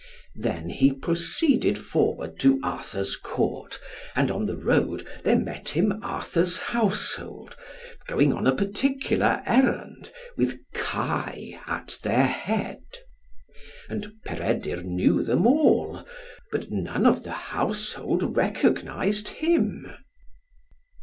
Then he proceeded forward to Arthur's Court, and on the road there met him Arthur's household, going on a particular errand, with Kai at their head. And Peredur knew them all, but none of the household recognised him.